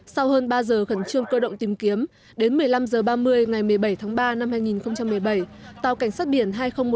sau hơn ba giờ khẩn trương cơ động tìm kiếm đến một mươi năm h ba mươi ngày một mươi bảy tháng ba năm hai nghìn một mươi bảy tàu cảnh sát biển hai nghìn một mươi